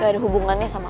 ga ada hubungannya sama lo